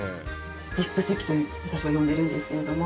ＶＩＰ席と私は呼んでるんですけれども。